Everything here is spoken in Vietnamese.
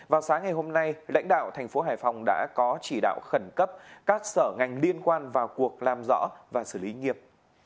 vào sáng ngày hôm nay lãnh đạo thành phố hải phòng đã có chỉ đạo khẩn cấp các sở ngành liên quan vào cuộc làm rõ và xử lý nghiệp